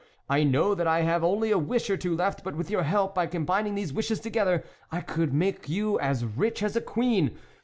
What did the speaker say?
I know that I have only a wish or two left, but with your help, by combining these wishes together, I could make you as rich as a queen.